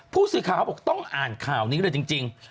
ผู้สื่อข่าวบอกต้องอ่านข่าวนี้เลยจริง